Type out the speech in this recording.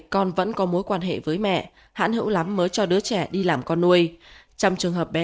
con vẫn có mối quan hệ với mẹ hãn hữu lắm mới cho đứa trẻ đi làm con nuôi trong trường hợp bé